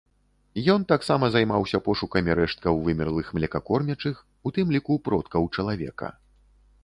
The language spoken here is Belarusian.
Ён таксама займаўся пошукамі рэшткаў вымерлых млекакормячых, у тым ліку продкаў чалавека.